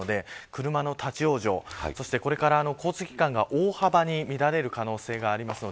車の立ち往生そして交通機関が大幅に乱れる可能性があります。